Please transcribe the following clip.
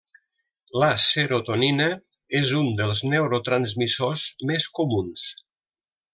La serotonina és un dels neurotransmissors més comuns.